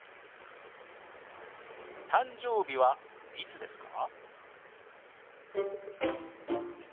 「誕生日はいつですか？」。